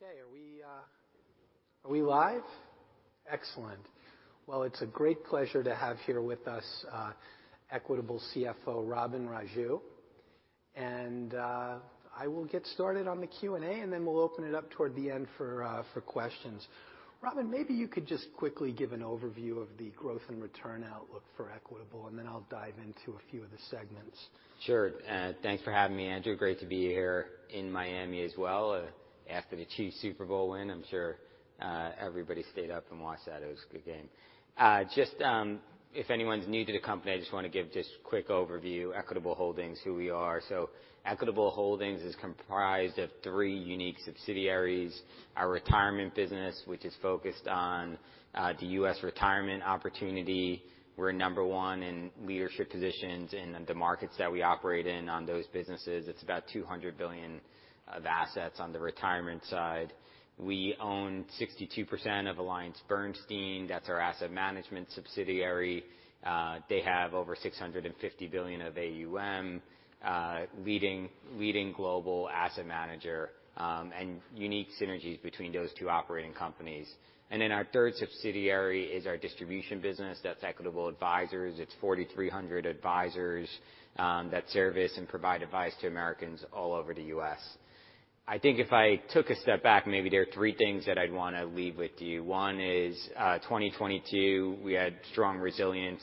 Okay. Are we, are we live? Excellent. Well, it's a great pleasure to have here with us, Equitable CFO, Robin Raju. I will get started on the Q&A, and then we'll open it up toward the end for questions. Robin, maybe you could just quickly give an overview of the growth and return outlook for Equitable, and then I'll dive into a few of the segments. Sure. Thanks for having me, Andrew. Great to be here in Miami as well, after the Chiefs Super Bowl win. I'm sure everybody stayed up and watched that. It was a good game. Just, if anyone's new to the company, I just wanna give just quick overview, Equitable Holdings, who we are. Equitable Holdings is comprised of three unique subsidiaries. Our retirement business, which is focused on the U.S. retirement opportunity. We're number one in leadership positions in the markets that we operate in on those businesses. It's about $200 billion of assets on the retirement side. We own 62% of AllianceBernstein, that's our asset management subsidiary. They have over $650 billion of AUM, leading global asset manager, and unique synergies between those two operating companies. Our third subsidiary is our distribution business, that's Equitable Advisors. It's 4,300 advisors that service and provide advice to Americans all over the U.S. I think if I took a step back, maybe there are three things that I'd wanna leave with you. One is; 2022, we had strong resilience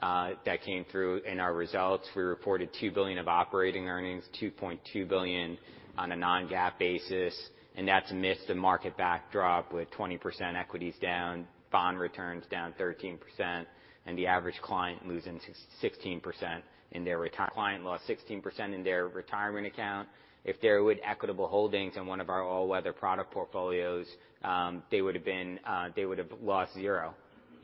that came through in our results. We reported $2 billion of operating earnings, $2.2 billion on a non-GAAP basis, and that's amidst the market backdrop, with 20% equities down, bond returns down 13%, and the average client losing 16% in their retirement account. If they're with Equitable Holdings in one of our all-weather product portfolios, they would've lost zero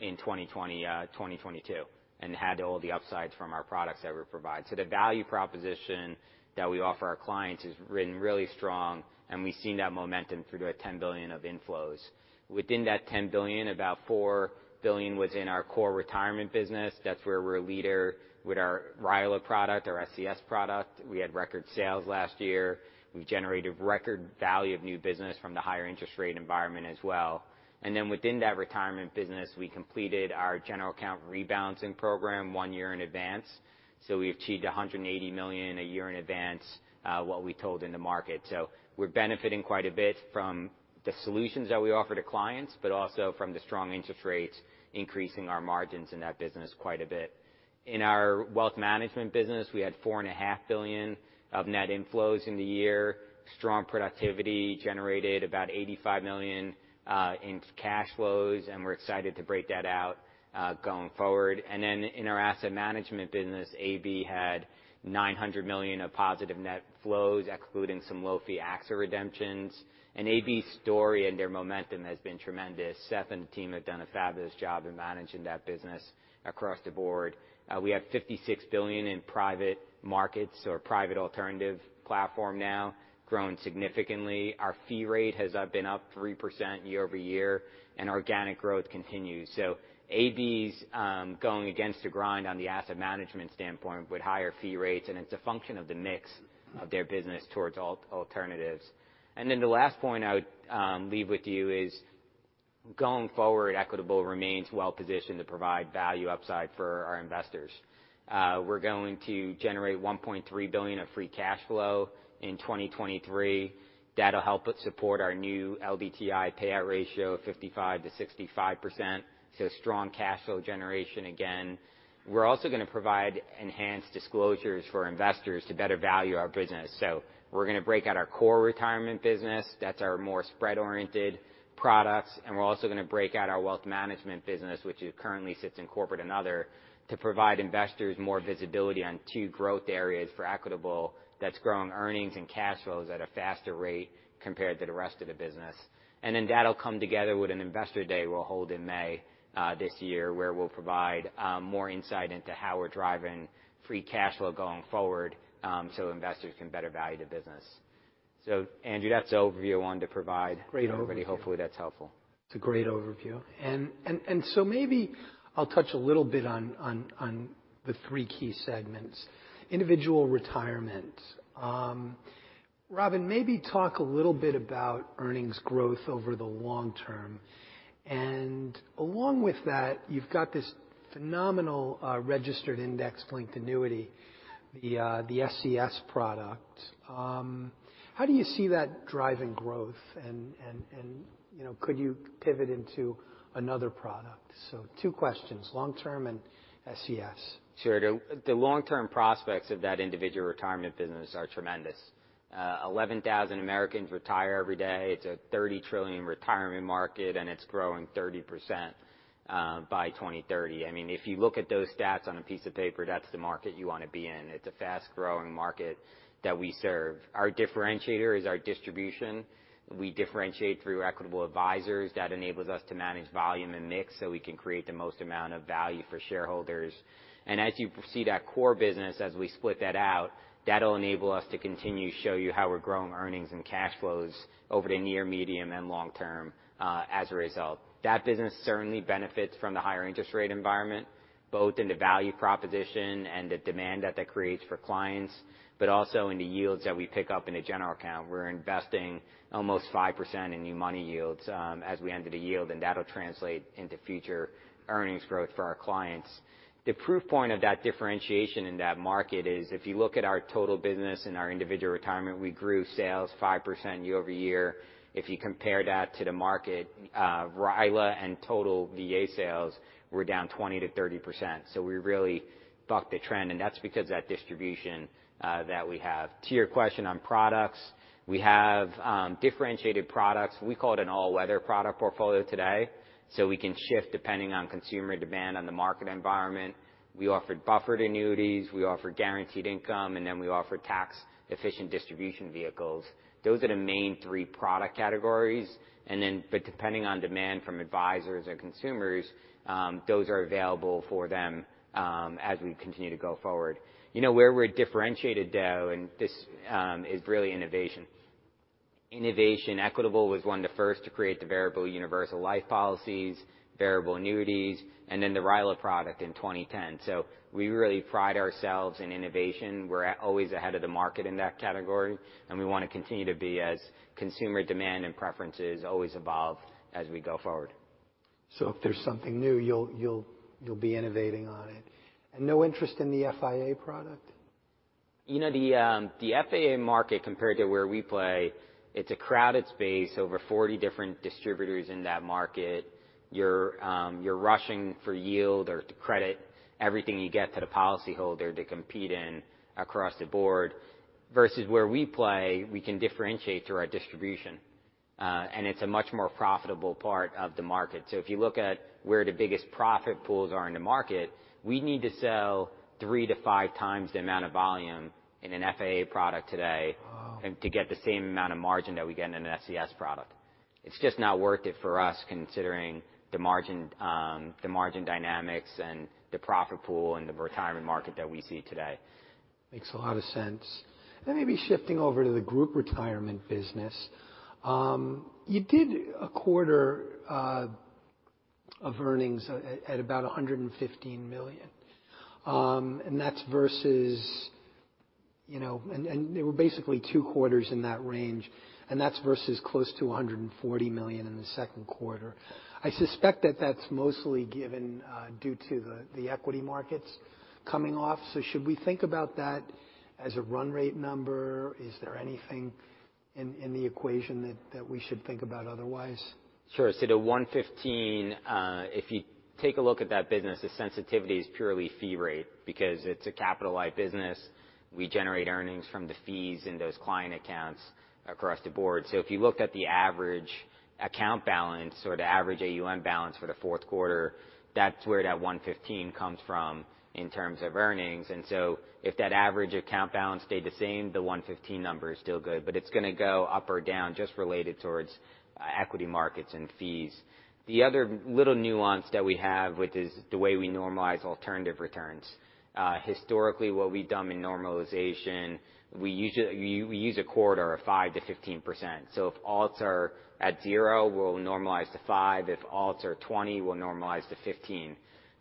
in 2022; and had all the upsides from our products that we provide. The value proposition that we offer our clients has ridden really strongly, and we've seen that momentum through to our $10 billion of inflows. Within that $10 billion, about $4 billion was in our core retirement business. That's where we're a leader with our RILA product, our SCS product. We had record sales last year. We've generated a record value of new business from the higher interest rate environment as well. Within that retirement business, we completed our general account rebalancing program one year in advance. We achieved $180 million a year in advance, which we told in the market. We're benefiting quite a bit from the solutions that we offer to clients, but also from the strong interest rates increasing our margins in that business quite a bit. In our wealth management business, we had four and a half billion of net inflows in the year. Strong productivity generated about $85 million in cash flows. We're excited to break that out going forward. In our asset management business, AB had $900 million of positive net flows, excluding some low-fee AXA redemptions. AB's story and their momentum have been tremendous. Seth and the team have done a fabulous job in managing that business across the board. We have $56 billion in private markets or private alternative platforms now, growing significantly. Our fee rate has been up 3% year-over-year. Organic growth continues. AB's going against the grind on the asset management standpoint with higher fee rates. It's a function of the mix of their business towards alternatives. The last point I would leave with you is, going forward, Equitable remains well-positioned to provide value upside for our investors. We're going to generate $1.3 billion of free cash flow in 2023. That'll help, but support our new LDTI payout ratio of 55%-65%. Strong cash flow generation again. We're also gonna provide enhanced disclosures for investors to better value our business. We're gonna break out our core retirement business, that's our more spread-oriented products. We're also gonna break out our wealth management business, which currently sits in corporate and other, to provide investors more visibility on two growth areas for Equitable that's growing earnings and cash flows at a faster rate compared to the rest of the business. That'll come together with an investor day we'll hold in May, this year, where we'll provide more insight into how we're driving free cash flow going forward, so investors can better value the business. Andrew, that's the overview I wanted to provide. Great overview. Hopefully that's helpful. It's a great overview. Maybe I'll touch a little bit on the three key segments. Individual retirement. Robin, maybe talk a little bit about earnings growth over the long term. Along with that, you've got this phenomenal Registered Index-Linked Annuity, the SCS product. How do you see that driving growth? You know, could you pivot into another product? Two questions, long term and SCS. Sure. The, the long-term prospects of that individual retirement business are tremendous. 11,000 Americans retire every day. It's a $30 trillion retirement market, and it's growing 30% by 2030. I mean, if you look at those stats on a piece of paper, that's the market you wanna be in. It's a fast-growing market that we serve. Our differentiator is our distribution. We differentiate through Equitable Advisors that enables us to manage volume and mix so we can create the most amount of value for shareholders. As you see that core business, as we split that out, that'll enable us to continue to show you how we're growing earnings and cash flows over the near, medium, and long term as a result. That business certainly benefits from the higher interest rate environment, both in the value proposition and the demand that that creates for clients, but also in the yields that we pick up in a general account. We're investing almost 5% in new money yields, as we enter the yield, and that'll translate into future earnings growth for our clients. The proof point of that differentiation in that market is if you look at our total business and our individual retirement, we grew sales 5% year-over-year. If you compare that to the market, RILA and total VA sales were down 20%-30%. We really bucked the trend, and that's because of the distribution that we have. To your question on products, we have differentiated products. We call it an all-weather product portfolio today. We can shift depending on consumer demand and the market environment. We offer buffered annuities, we offer guaranteed income, and then we offer tax-efficient distribution vehicles. Those are the three main product categories. Depending on demand from advisors or consumers, they will be available for them as we continue to go forward. You know, where we're differentiated, though, and this is really innovation. Equitable was one of the first to create the variable universal life policies, variable annuities, and then the RILA product in 2010. We really pride ourselves on innovation. We're always ahead of the market in that category, and we want to continue to be as consumer demand and preferences always evolve as we go forward. If there's something new, you'll be innovating on it. No interest in the FIA product? You know, the FIA market compared to where we play, it's a crowded space, over 40 different distributors in that market. You're rushing for yield or to credit everything you get to the policy holder to compete in across the board. Versus where we play, we can differentiate through our distribution, and it's a much more profitable part of the market. If you look at where the biggest profit pools are in the market, we need to sell 3-5 times the amount of volume in an FAA product today. Oh. to get the same amount of margin that we get in an SCS product. It's just not worth it for us, considering the margin, the margin dynamics, and the profit pool and the retirement market that we see today. Makes a lot of sense. Let me shift over to the group retirement business. You did a quarter of earnings at about $115 million. That's versus, you know. There were basically two quarters in that range, and that's versus close to $140 million in the second quarter. I suspect that that's mostly due to the equity markets coming off. Should we think about that as a run rate number? Is there anything in the equation that we should think about otherwise? Sure. The 115, if you take a look at that business, the sensitivity is purely fee rate because it's a capital-light business. We generate earnings from the fees in those client accounts across the board. If you looked at the average account balance or the average AUM balance for the fourth quarter, that's where that 115 comes from in terms of earnings. If that average account balance stayed the same, the 115 number is still good, but it's gonna go up or down, just related towards equity markets and fees. The other little nuance that we have, is the way we normalize alternative returns. Historically, what we've done in normalization; we use a corridor of 5%-15%. If alts are at 0, we'll normalize to 5. If alts are 20, we'll normalize to 15.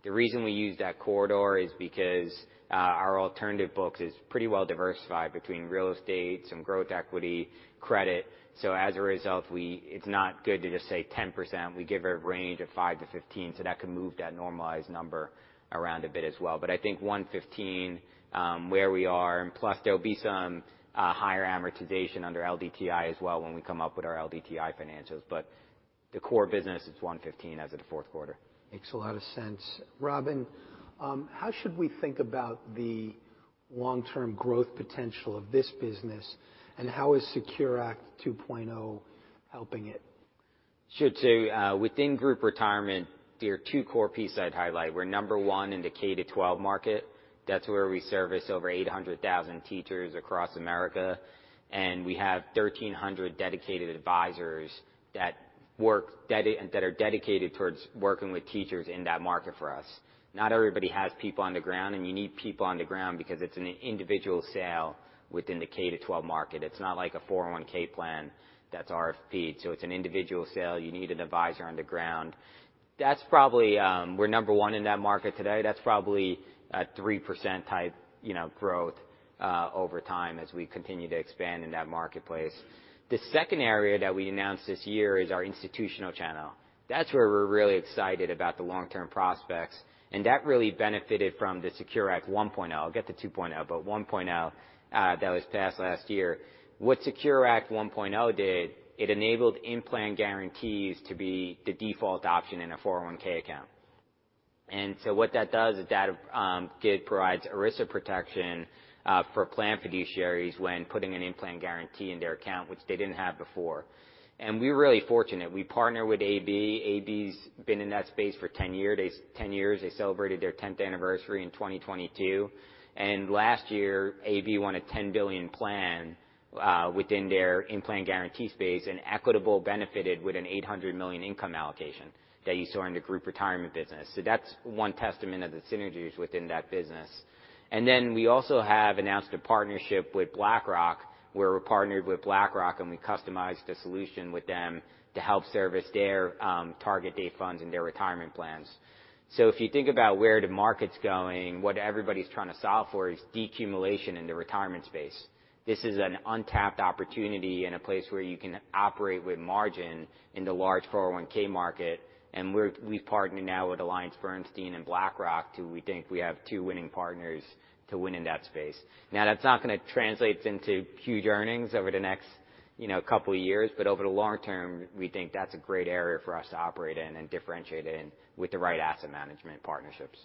The reason we use that corridor is because our alternative books is pretty well diversified between real estate, some growth equity, credit. As a result, it's not good to just say 10%. We give a range of 5%-15%, so that can move that normalized number around a bit as well. I think 115 where we are, and plus there'll be some higher amortization under LDTI as well when we come up with our LDTI financials. The core business is 115 as of the fourth quarter. Makes a lot of sense. Robin, how should we think about the long-term growth potential of this business, and how is the SECURE Act 2.0 helping it? Sure. Within group retirement, there are two core pieces I'd highlight. We're number one in the K-12 market. That's where we service over 800,000 teachers across America, and we have 1,300 dedicated advisors who are dedicated to working with teachers in that market for us. Not everybody has people on the ground, and you need people on the ground because it's an individual sale within the K-12 market. It's not like a 401(k) plan that's RFP'd. It's an individual sale. You need an advisor on the ground. That's probably. We're number one in that market today. That's probably a 3% type, you know, growth over time as we continue to expand in that marketplace. The second area that we announced this year is our institutional channel. That's where we're really excited about the long-term prospects. That really benefited from the SECURE Act 1.0. I'll get to 2.0, 1.0 that was passed last year. What SECURE Act 1.0 did, it enabled in-plan guarantees to be the default option in a 401(k) account. What that does is that it provides ERISA protection for plan fiduciaries when putting an in-plan guarantee in their account, which they didn't have before. We're really fortunate. We partner with AB. AB's been in that space for 10 years. They celebrated their 10th anniversary in 2022. Last year, AB won a $10 billion plan within their in-plan guarantee space, and Equitable benefited with an $800 million income allocation that you saw in the group retirement business. That's one testament of the synergies within that business. We also have announced a partnership with BlackRock, where we're partnered with BlackRock, and we customized a solution with them to help service their target date funds and their retirement plans. If you think about where the market's going, what everybody's trying to solve for is decumulation in the retirement space. This is an untapped opportunity and a place where you can operate with margin in the large 401(k) market. We've partnered now with AllianceBernstein and BlackRock to... We think we have two winning partners to win in that space. Now, that's not gonna translate into huge earnings over the next, you know, couple of years, but over the long term, we think that's a great area for us to operate in and differentiate in with the right asset management partnerships.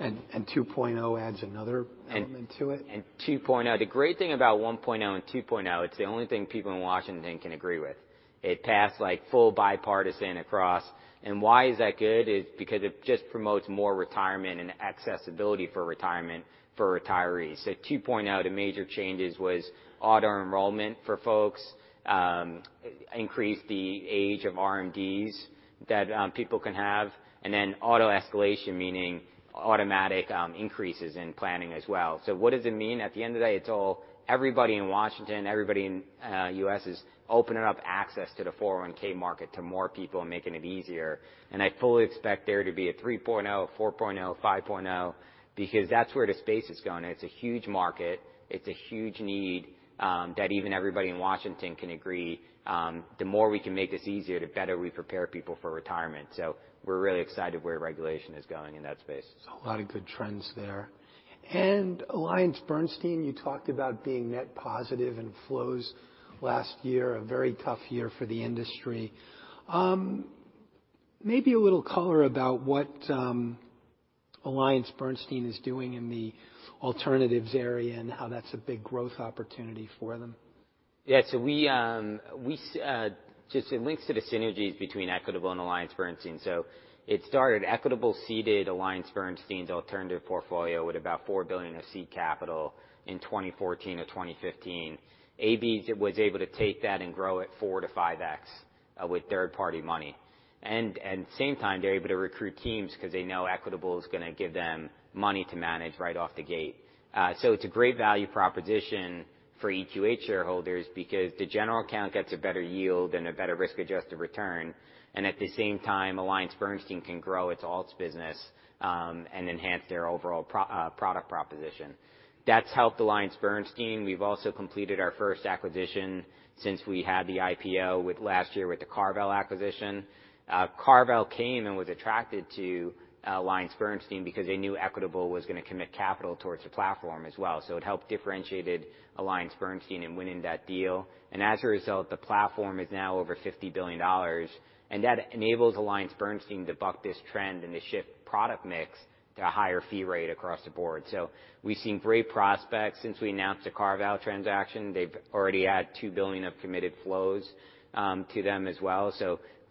2.0 adds another element to it? The great thing about 1.0 and 2.0, it's the only thing people in Washington can agree on. It passed, like, full bipartisan across. Why is that good is because it just promotes more retirement and accessibility for retirement for retirees. 2.0, the major changes were auto-enrollment for folks, increasing the age of RMDs that people can have, and then auto-escalation, meaning automatic increases in planning as well. What does it mean? At the end of the day, it's all everybody in Washington, everybody in the U.S. is opening up access to the 401 market to more people and making it easier. I fully expect there to be a 3.0, 4.0, 5.0, because that's where the space is going. It's a huge market. It's a huge need, that even everybody in Washington can agree, the more we can make this easier, the better we prepare people for retirement. We're really excited where regulation is going in that space. A lot of good trends there. AllianceBernstein, you talked about being net positive in flows last year, a very tough year for the industry. Maybe a little color about what AllianceBernstein is doing in the alternatives area and how that's a big growth opportunity for them. Yeah. We just linked to the synergies between Equitable and AllianceBernstein. It started Equitable seeded AllianceBernstein's alternative portfolio with about $4 billion of seed capital in 2014 to 2015. AB was able to take that and grow it 4x-5x with third-party money, and same time, they're able to recruit teams because they know Equitable is gonna give them money to manage right off the gate. It's a great value proposition for EQH shareholders because the general account gets a better yield and a better risk-adjusted return. At the same time, AllianceBernstein can grow its alts business and enhance their overall product proposition. That's helped AllianceBernstein. We've also completed our first acquisition since we had the IPO with last year with the CarVal acquisition. CarVal Investors came and was attracted to AllianceBernstein because they knew Equitable was gonna commit capital towards the platform as well. It helped differentiated AllianceBernstein in winning that deal. As a result, the platform is now over $50 billion, and that enables AllianceBernstein to buck this trend and to shift product mix to a higher fee rate across the board. We've seen great prospects. Since we announced the CarVal transaction, they've already had $2 billion of committed flows to them as well.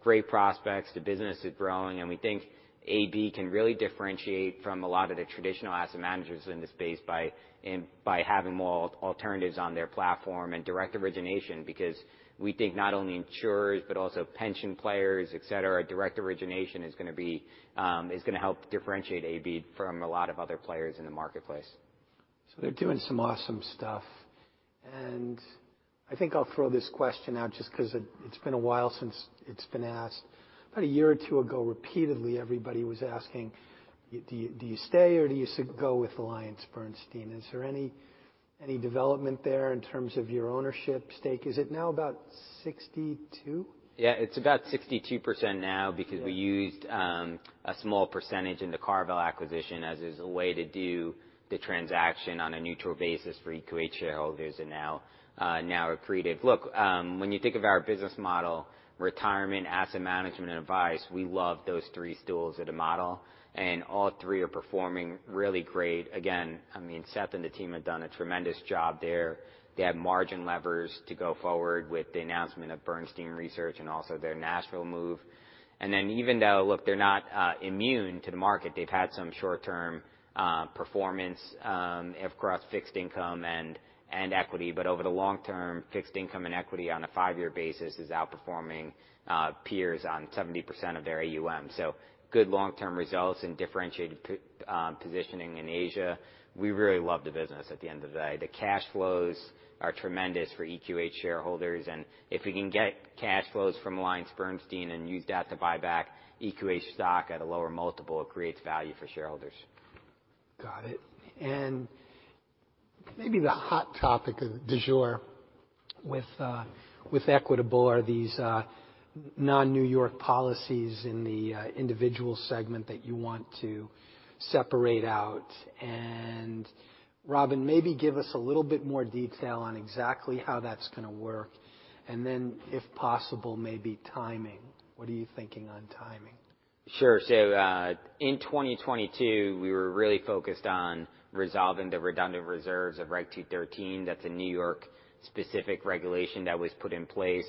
Great prospects. The business is growing, and we think AB can really differentiate from a lot of the traditional asset managers in this space by having more alternatives on their platform and direct origination because we think not only insurers but also pension players, et cetera, direct origination is gonna help differentiate AB from a lot of other players in the marketplace. They're doing some awesome stuff. I think I'll throw this question out just 'cause it's been a while since it's been asked. About one or two years ago, repeatedly, everybody was asking, do you go with AllianceBernstein? Is there any development there in terms of your ownership stake? Is it now about 62? Yeah. It's about 62% now because we used a small percentage in the CarVal acquisition as is a way to do the transaction on a neutral basis for EQH shareholders and now accretive. Look, when you think of our business model, retirement, asset management, and advice, we love those three stools of the model. All three are performing really great. Again, I mean, Seth and the team have done a tremendous job there. They have margin levers to go forward with the announcement of Bernstein Research and also their Nashville move. Even though, look, they're not immune to the market, they've had some short-term performance across fixed income and equity, but over the long term, fixed income and equity on a five-year basis is outperforming peers on 70% of their AUM. Good long-term results and differentiated positioning in Asia. We really love the business at the end of the day. The cash flows are tremendous for EQH shareholders, and if we can get cash flows from AllianceBernstein and use that to buy back EQH stock at a lower multiple, it creates value for shareholders. Got it. Maybe the hot topic of du jour with Equitable are these, non-New York policies in the, individual segment that you want to separate out. Robin, maybe give us a little bit more detail on exactly how that's gonna work, and then if possible, maybe timing. What are you thinking on timing? Sure. In 2022, we were really focused on resolving the redundant reserves of Regulation 213. That's a New York specific regulation that was put in place.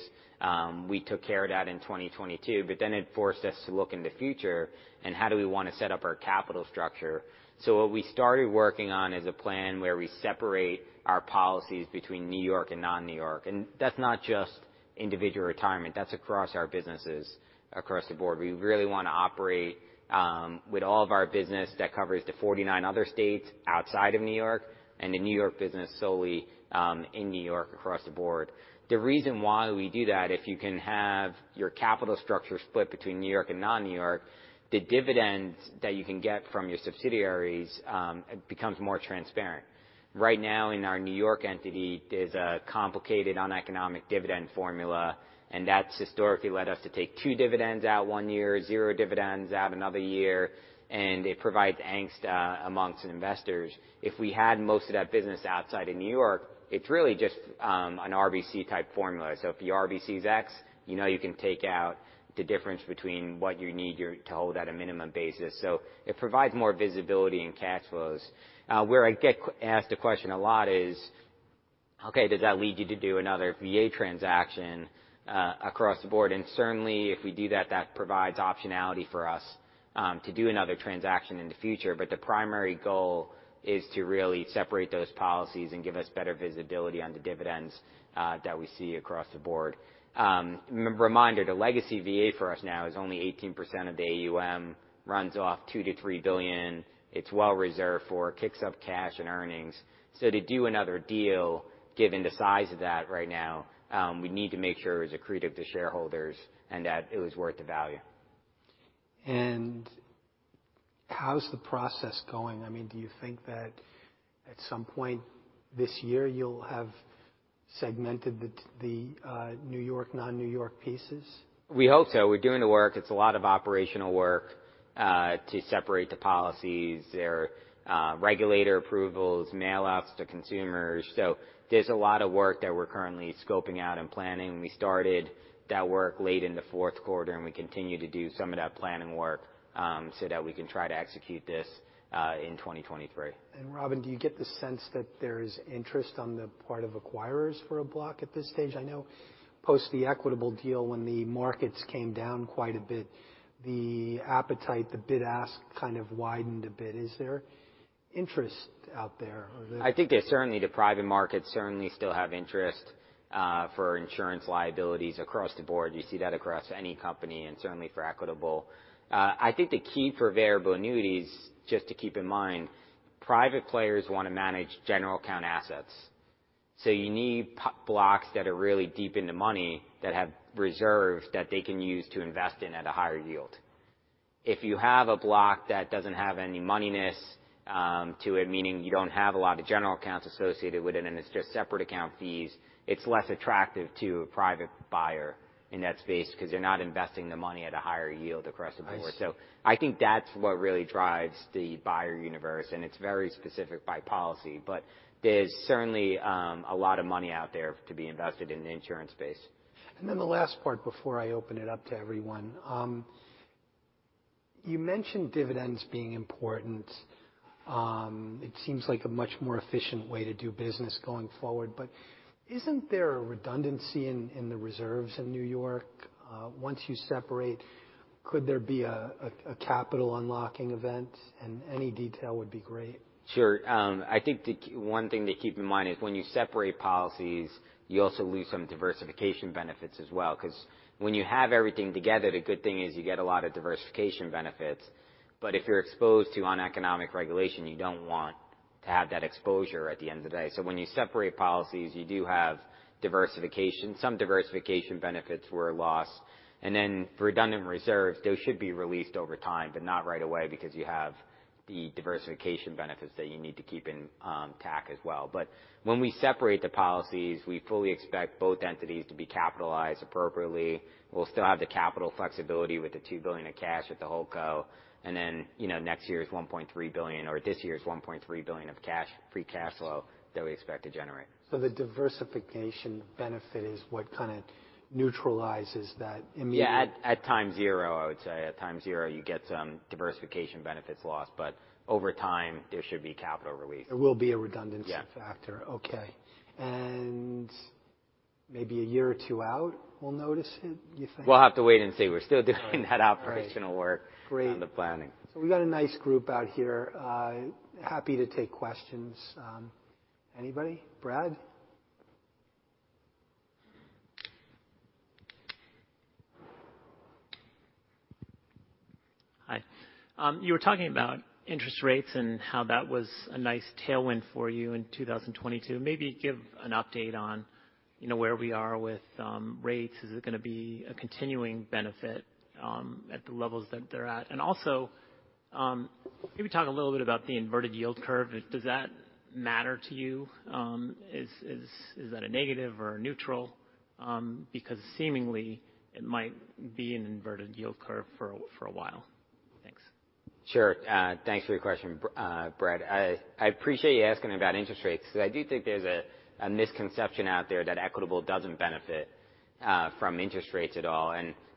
We took care of that in 2022, it forced us to look in the future and how do we wanna set up our capital structure. What we started working on is a plan where we separate our policies between New York and non-New York. That's not just individual retirement, that's across our businesses across the board. We really wanna operate with all of our business that covers the 49 other states outside of New York and the New York business solely in New York across the board. The reason why we do that, if you can have your capital structure split between New York and non-New York, the dividends that you can get from your subsidiaries; becomes more transparent. Right now in our New York entity, there's a complicated uneconomic dividend formula, and that's historically led us to take two dividends out one year, 0 dividends out another year, and it provides angst amongst investors. If we had most of that business outside of New York, it's really just an RBC-type formula. If your RBC is X, you know you can take out the difference between what you need to hold on a minimum basis. It provides more visibility in cash flows. Where I get asked the question a lot is Okay, does that lead you to do another VA transaction across the board? Certainly, if we do that provides optionality for us to do another transaction in the future. The primary goal is to really separate those policies and give us better visibility on the dividends that we see across the board. Reminder, the legacy VA for us now is only 18% of the AUM, runs off $2 billion-$3 billion. It's well reserved for; kicks up cash and earnings. To do another deal, given the size of that right now, we need to make sure it's accretive to shareholders and that it is worth the value. How's the process going? I mean, do you think that at some point this year you'll have segmented the New York, non-New York pieces? We hope so. We're doing the work. It's a lot of operational work to separate the policies, their regulator approvals, mail outs to consumers. There's a lot of work that we're currently scoping out and planning. We started that work late in the fourth quarter, and we continue to do some of that planning work so that we can try to execute this in 2023. Robin, do you get the sense that there is interest on the part of acquirers for a block at this stage? I know post the Equitable deal, when the markets came down quite a bit, the appetite, the bid-ask kind of widened a bit. Is there interest out there or the-? I think there's certainly the private markets certainly still have interest, for insurance liabilities across the board. You see that across any company and certainly for Equitable. I think the key for variable annuities, just to keep in mind, private players wanna manage general account assets. You need blocks that are really deep into money that have reserves that they can use to invest in at a higher yield. If you have a block that doesn't have any moneyness, to it, meaning you don't have a lot of general accounts associated with it, and it's just separate account fees, it's less attractive to a private buyer in that space 'cause they're not investing the money at a higher yield across the board. I see. I think that's what really drives the buyer universe, and it's very specific by policy, but there's certainly a lot of money out there to be invested in the insurance space. The last part before I open it up to everyone. You mentioned dividends being important. It seems like a much more efficient way to do business going forward. Isn't there a redundancy in the reserves in New York? Once you separate, could there be a capital unlocking event? Any detail would be great. Sure. I think one thing to keep in mind is when you separate policies, you also lose some diversification benefits as well, because when you have everything together, the good thing is you get a lot of diversification benefits. If you're exposed to uneconomic regulation, you don't want to have that exposure at the end of the day. When you separate policies, you do have diversification. Some diversification benefits were lost. Redundant reserves, those should be released over time, but not right away because you have the diversification benefits that you need to keep in tack as well. When we separate the policies, we fully expect both entities to be capitalized appropriately. We'll still have the capital flexibility with the $2 billion of cash with the whole co. You know, next year is $1.3 billion, or this year is $1.3 billion of cash, free cash flow that we expect to generate. The diversification benefit is what kind of neutralizes that. Yeah. At times zero, I would say. At times zero, you get some diversification benefits lost. Over time, there should be capital release. There will be a redundancy factor. Yeah. Okay. Maybe a year or two out, we'll notice it, you think? We'll have to wait and see. We're still doing that operational work- Great On the planning. We got a nice group out here. Happy to take questions. Anybody? Brad? Hi. You were talking about interest rates and how that was a nice tailwind for you in 2022. Maybe give an update on, you know, where we are with rates. Is it gonna be a continuing benefit at the levels that they're at? Maybe talk a little bit about the inverted yield curve. Does that matter to you? Is that a negative or a neutral? Because seemingly, it might be an inverted yield curve for a while. Thanks. Sure. Thanks for your question, Brad. I appreciate you asking about interest rates because I do think there's a misconception out there that Equitable doesn't benefit from interest rates at all.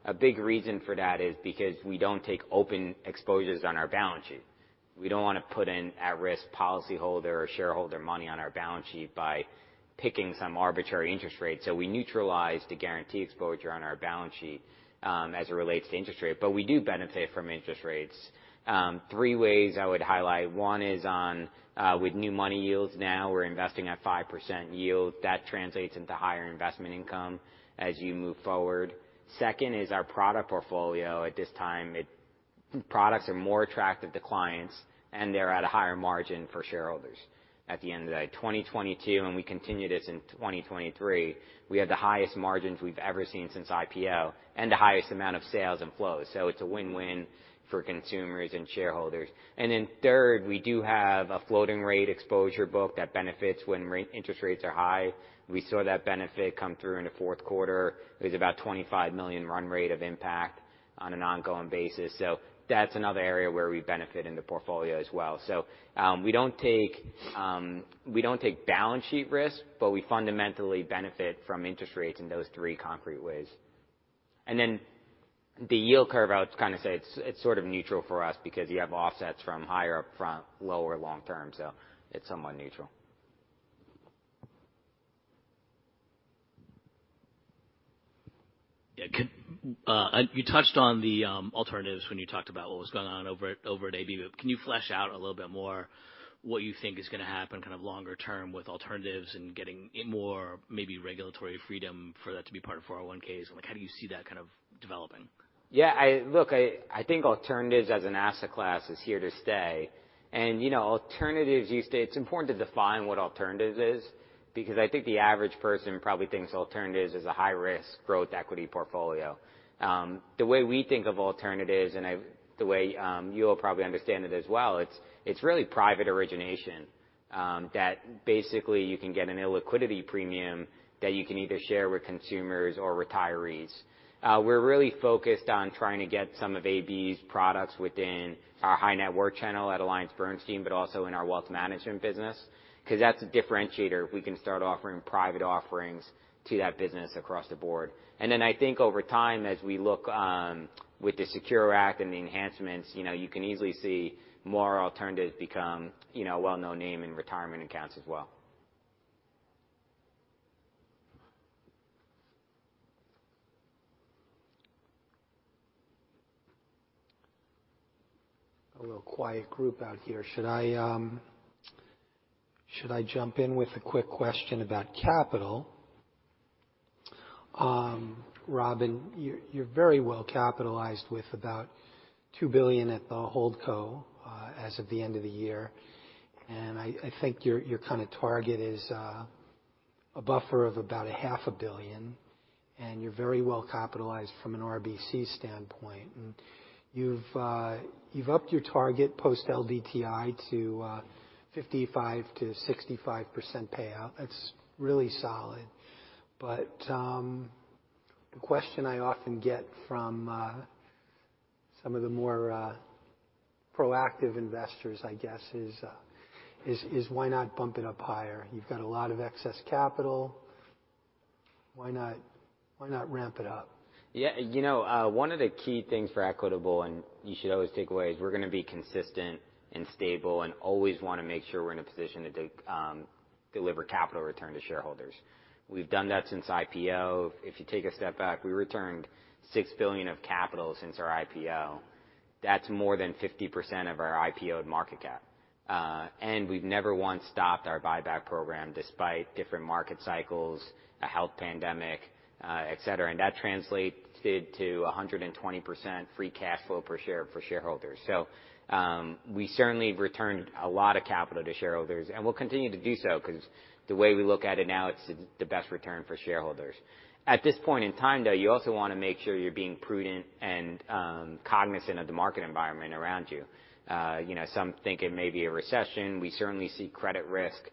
A big reason for that is because we don't take open exposures on our balance sheet. We don't wanna put in at-risk policyholder or shareholder money on our balance sheet by picking some arbitrary interest rate. We neutralize the guarantee exposure on our balance sheet as it relates to interest rate. We do benefit from interest rates. Three ways I would highlight. One is with new money yields now, we're investing at 5% yield. That translates into higher investment income as you move forward. Second is our product portfolio. At this time, products are more attractive to clients, and they're at a higher margin for shareholders at the end of the day. 2022, we continue this in 2023, we had the highest margins we've ever seen since IPO and the highest amount of sales and flows. It's a win-win for consumers and shareholders. Third, we do have a floating rate exposure book that benefits when interest rates are high. We saw that benefit come through in the fourth quarter. It was about $25 million run rate of impact on an ongoing basis. That's another area where we benefit in the portfolio as well. We don't take balance sheet risks, but we fundamentally benefit from interest rates in those three concrete ways. The yield curve, I would kind of say it's sort of neutral for us because you have offsets from higher up front, lower long term, so it's somewhat neutral. Yeah. You touched on the alternatives when you talked about what was going on over at AB. Can you flesh out a little bit more what you think is gonna happen kind of longer term, with alternatives and getting more, maybe regulatory freedom for that to be part of 401(k)s? Like, how do you see that kind of developing? Yeah. Look, I think alternatives as an asset class are here to stay. You know, alternatives used to... It's important to define what alternatives is, because I think the average person probably thinks alternatives are a high-risk growth equity portfolio. The way we think of alternatives and the way you'll probably understand it as well, it's really private origination that basically you can get an illiquidity premium that you can either share with consumers or retirees. We're really focused on trying to get some of AB's products within our high net worth channel at AllianceBernstein, but also in our wealth management business, 'cause that's a differentiator if we can start offering private offerings to that business across the board. I think over time, as we look, with the SECURE Act and the enhancements, you know, you can easily see more alternatives become, you know, a well-known name in retirement accounts as well. A little quiet group out here. Should I jump in with a quick question about capital? Robin, you're very well capitalized with about $2 billion at the hold co as of the end of the year. I think your kinda target is a buffer of about a half a billion, and you're very well capitalized from an RBC standpoint. You've upped your target post-LDTI to 55%-65% payout. That's really solid. The question I often get from some of the more proactive investors, I guess, is why not bump it up higher? You've got a lot of excess capital. Why not ramp it up? Yeah. You know, one of the key things for Equitable, and you should always take away, is we're gonna be consistent and stable and always wanna make sure we're in a position to take, deliver capital return to shareholders. We've done that since IPO. If you take a step back, we returned $6 billion of capital since our IPO. That's more than 50% of our IPO market cap. We've never once stopped our buyback program despite different market cycles, a health pandemic, et cetera. That translated to 120% free cash flow per share for shareholders. We certainly returned a lot of capital to shareholders, and we'll continue to do so 'cause the way we look at it now, it's the best return for shareholders. At this point in time, though, you also wanna make sure you're being prudent and cognizant of the market environment around you. You know, some think it may be a recession. We certainly see credit risk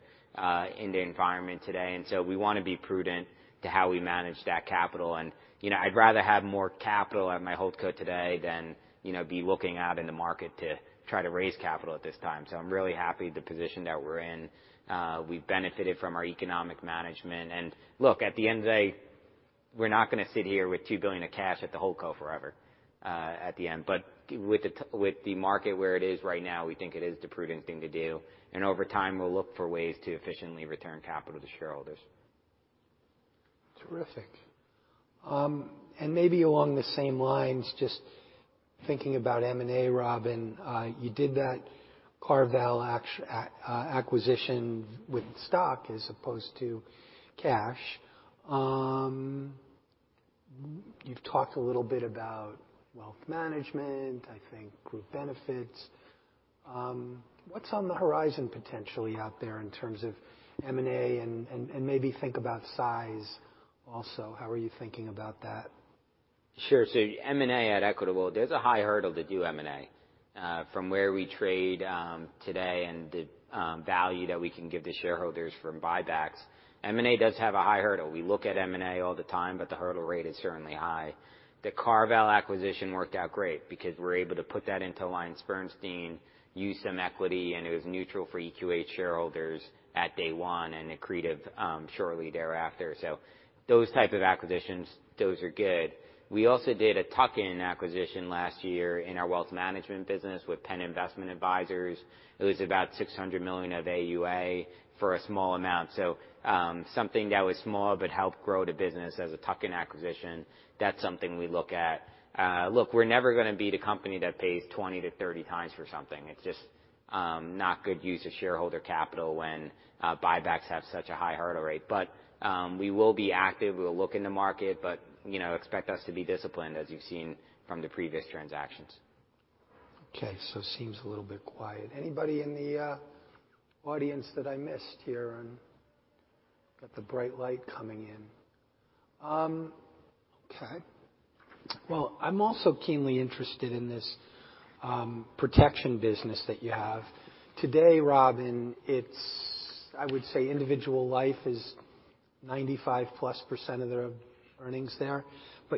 in the environment today. We wanna be prudent to how we manage that capital. You know, I'd rather have more capital at my hold co today than, you know, be looking out in the market to try to raise capital at this time. I'm really happy with the position that we're in. We've benefited from our economic management. Look, at the end of the day, we're not gonna sit here with $2 billion of cash at the hold co forever at the end. With the market where it is right now, we think it is the prudent thing to do. Over time, we'll look for ways to efficiently return capital to shareholders. Terrific. Maybe along the same lines, just thinking about M&A, Robin. You did that CarVal acquisition with stock as opposed to cash. You've talked a little bit about wealth management, I think group benefits. What's on the horizon potentially out there in terms of M&A? Maybe think about size also. How are you thinking about that? Sure. M&A at Equitable, there's a high hurdle to do M&A, from where we trade today and the value that we can give to shareholders from buybacks. M&A does have a high hurdle. We look at M&A all the time, but the hurdle rate is certainly high. The CarVal acquisition worked out great because we're able to put that into AllianceBernstein, use some equity, and it was neutral for EQH shareholders at day one and accretive shortly thereafter. Those type of acquisitions, those are good. We also did a tuck-in acquisition last year in our wealth management business with Penn Investment Advisors. It was about $600 million of AUA for a small amount. Something that was small but helped grow the business as a tuck-in acquisition, that's something we look at. Look, we're never gonna be the company that pays 20-30 times for something. It's just not good use of shareholder capital when buybacks have such a high hurdle rate. We will be active. We'll look in the market, but, you know, expect us to be disciplined as you've seen from the previous transactions. Okay. It seems a little bit quiet. Anybody in the audience that I missed here? Got the bright light coming in. Okay. Well, I'm also keenly interested in this protection business that you have. Today, Robin, I would say individual life is 95%+ of the earnings there.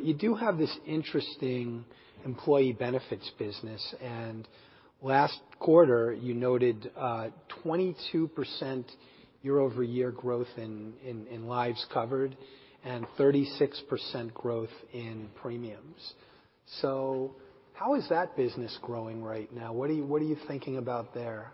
You do have this interesting employee benefits business, and last quarter, you noted 22% year-over-year growth in lives covered and 36% growth in premiums. How is that business growing right now? What are you thinking about there?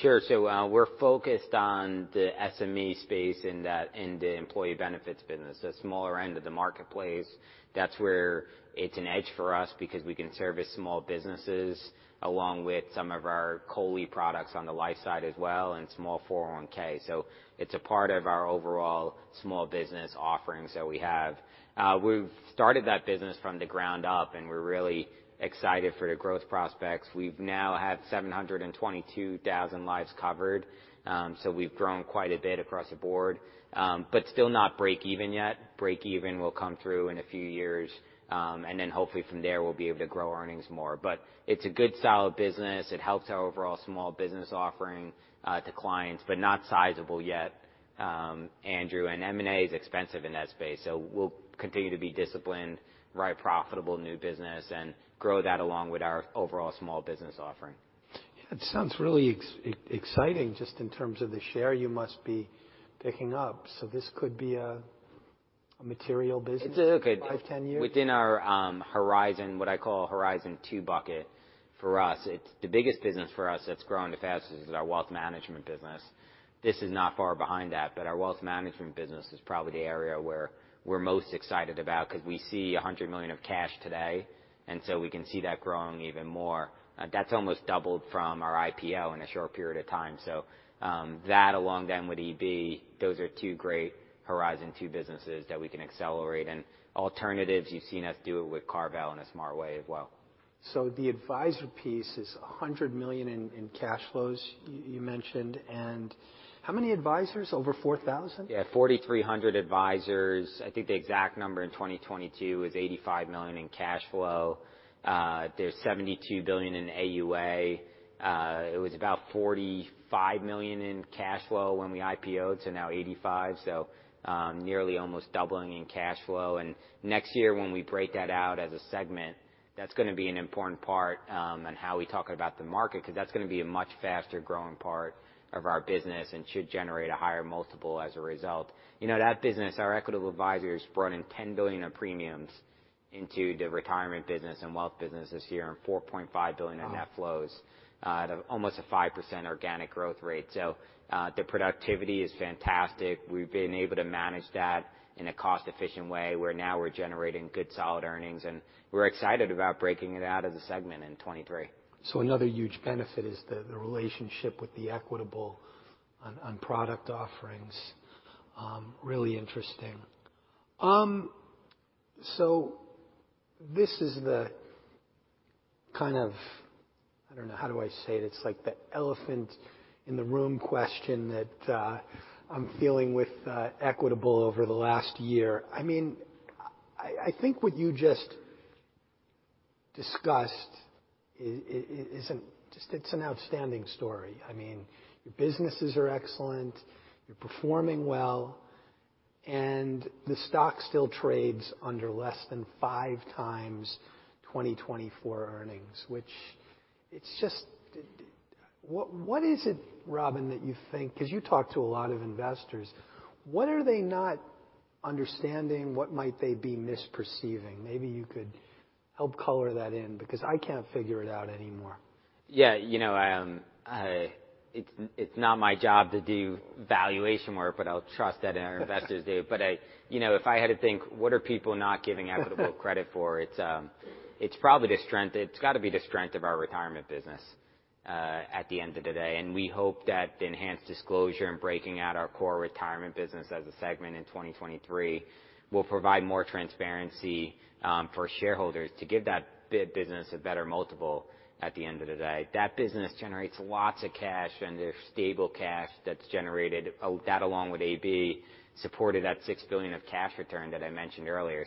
Sure. We're focused on the SME space in the employee benefits business, the smaller end of the marketplace. That's where it's an edge for us because we can service small businesses along with some of our COLI products on the life side as well, and small 401. It's a part of our overall small business offerings that we have. We've started that business from the ground up, and we're really excited for the growth prospects. We've now had 722,000 lives covered. We've grown quite a bit across the board, but still not break even yet. Break even will come through in a few years, and then hopefully from there, we'll be able to grow earnings more. It's a good solid business. It helps our overall small business offering to clients, but not sizable yet, Andrew. M&A is expensive in that space. We'll continue to be disciplined, drive profitable new business and grow that along with our overall small business offering. Yeah, it sounds really exciting just in terms of the share you must be picking up. This could be a material business- It's okay. ...in 5, 10 years. Within our horizon, what I call the horizon two bucket, for us, it's the biggest business for us that's growing the fastest is our wealth management business. This is not far behind that, but our wealth management business is probably the area where we're most excited about because we see $100 million of cash today, and so we can see that growing even more. That's almost doubled from our IPO in a short period of time. That along then with EB, those are two great horizon two businesses that we can accelerate. Alternatives, you've seen us do it with CarVal in a smart way as well. The advisor piece is $100 million in cash flows you mentioned. How many advisors? Over 4,000? Yeah, 4,300 advisors. I think the exact number in 2022 is $85 million in cash flow. There's $72 billion in AUA. It was about $45 million in cash flow when we IPOed, so now $85 million. Nearly almost doubling in cash flow. Next year, when we break that out as a segment, that's gonna be an important part on how we talk about the market, because that's gonna be a much faster growing part of our business and should generate a higher multiple as a result. You know, that business, our Equitable Advisors, brought in $10 billion of premiums into the retirement business and wealth business this year and $4.5 billion of net flows at almost a 5% organic growth rate. The productivity is fantastic. We've been able to manage that in a cost-efficient way, where now we're generating good, solid earnings, and we're excited about breaking it out as a segment in 2023. Another huge benefit is the relationship with Equitable on product offerings. Really interesting. This is the kind of... I don't know. How do I say it? It's like the elephant in the room question that I'm feeling with Equitable over the last year. I mean, I think what you just discussed it's an outstanding story. I mean, your businesses are excellent, you're performing well, and the stock still trades under less than 5 times 2024 earnings, which it's just... What is it, Robin, that you think, 'cause you talk to a lot of investors, what are they not understanding? What might they be misperceiving? Maybe you could help color that in, because I can't figure it out anymore. You know, it's not my job to do valuation work, but I'll trust that our investors do. I, you know, if I had to think, what are people not giving Equitable credit for? It's, it's probably the strength. It's gotta be the strength of our retirement business at the end of the day. We hope that the enhanced disclosure and breaking out our core retirement business as a segment in 2023 will provide more transparency for shareholders to give that bi-business a better multiple at the end of the day. That business generates lots of cash, and there's stable cash that's generated. That along with AB, supported that $6 billion of cash return that I mentioned earlier.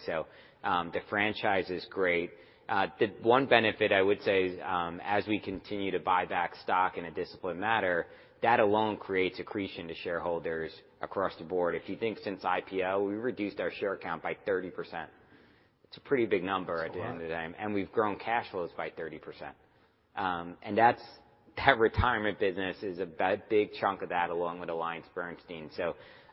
The franchise is great. The one benefit I would say is, as we continue to buy back stock in a disciplined manner, that alone creates accretion to shareholders across the board. If you think since IPO, we've reduced our share count by 30%. It's a pretty big number at the end of the day. It's a lot. We've grown cash flows by 30%. That retirement business is a big chunk of that, along with AllianceBernstein.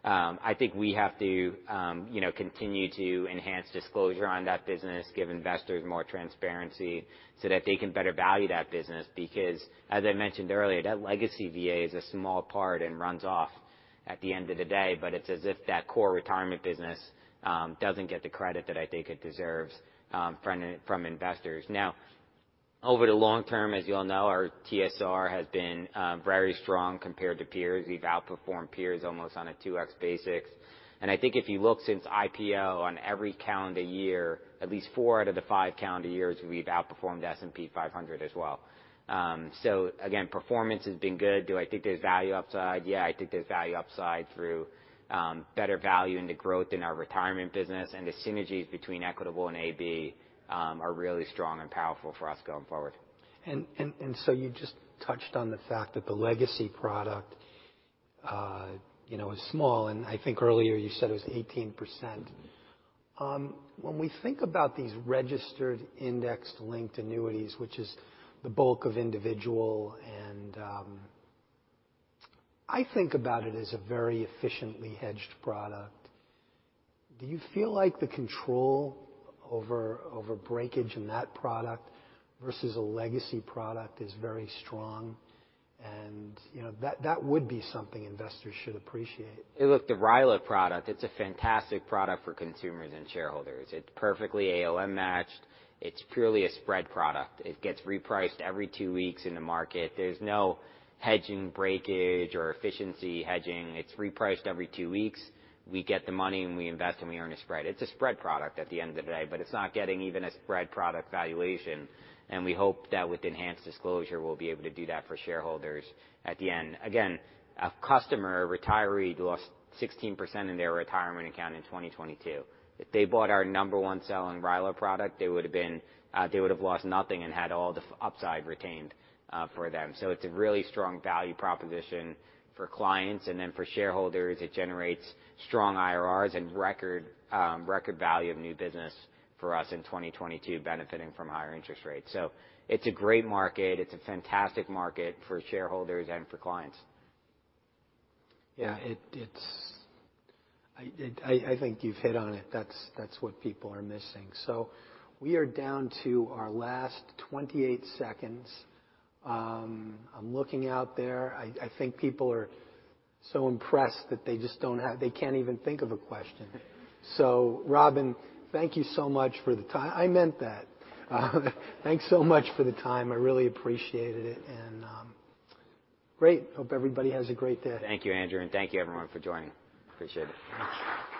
I think we have to, you know, continue to enhance disclosure on that business, give investors more transparency so that they can better value that business. As I mentioned earlier, the legacy VA is a small part and runs off at the end of the day, but it's as if that core retirement business doesn't get the credit that I think it deserves from investors. Over the long term, as you all know, our TSR has been very strong compared to peers. We've outperformed peers almost on a 2x basis. I think if you look since IPO on every calendar year, at least four out of the five calendar years, we've outperformed the S&P 500 as well. Again, performance has been good. Do I think there's value upside? Yeah, I think there's value upside through better value in the growth in our retirement business, and the synergies between Equitable and AB are really strong and powerful for us going forward. You just touched on the fact that the legacy product, you know, is small, and I think earlier you said it was 18%. When we think about these Registered Index-Linked Annuities, which is the bulk of individual and I think about it as a very efficiently hedged product. Do you feel like the control over breakage in that product versus a legacy product is very strong? You know, that would be something investors should appreciate. The RILA product, it's a fantastic product for consumers and shareholders. It's perfectly ALM matched. It's purely a spread product. It gets repriced every two weeks in the market. There's no hedging breakage or efficiency hedging. It's repriced every two weeks. We get the money, and we invest, and we earn a spread. It's a spread product at the end of the day, but it's not getting even a spread product valuation. We hope that with enhanced disclosure, we'll be able to do that for shareholders at the end. A customer retiree lost 16% in their retirement account in 2022. If they bought our number one selling RILA product, they would've lost nothing and had all the upside retained for them. It's a really strong value proposition for clients, and then for shareholders, it generates strong IRRs and record value of new business for us in 2022, benefiting from higher interest rates. It's a great market. It's a fantastic market for shareholders and for clients. Yeah. I think you've hit on it. That's what people are missing. We are down to our last 28 seconds. I'm looking out there. I think people are so impressed that they can't even think of a question. Robin, thank you so much for the time. I meant that. Thanks so much for the time. I really appreciated it and great. Hope everybody has a great day. Thank you, Andrew, and thank you everyone for joining. Appreciate it. Thank you.